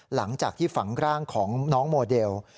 หลังจากที่ฝังร่างของน้องโมเดล